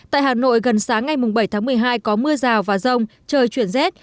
tại hà nội gần sáng ngày bảy tháng một mươi hai có mưa rào và rông trời chuyển rét